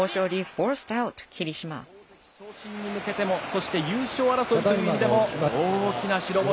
大関昇進に向けても、そして優勝争いという意味でも、大きな白星。